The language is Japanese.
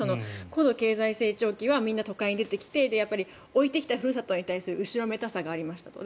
高度経済成長期はみんな都会に出てきてやっぱり置いてきたふるさとに対する後ろめたさがありましたと。